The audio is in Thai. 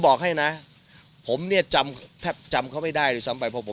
บอกให้นะผมเนี่ยจำแทบจำเขาไม่ได้ด้วยซ้ำไปเพราะผม